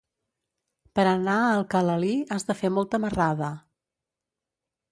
Per anar a Alcalalí has de fer molta marrada.